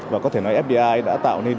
và có thể nói fdi đã tạo nên